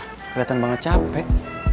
keliatan banget capek